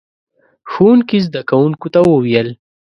ښوونکي زده کوونکو ته وويل: